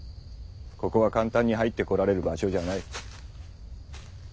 ここは簡単に入ってこられる場所じゃない。